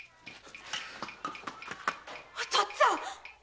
お父っつぁん！